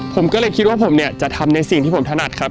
ผมก็เลยคิดว่าผมเนี่ยจะทำในสิ่งที่ผมถนัดครับ